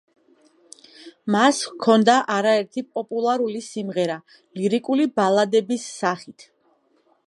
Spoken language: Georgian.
მას ჰქონდა არაერთი პოპულარული სიმღერა, ლირიკული ბალადების სახით.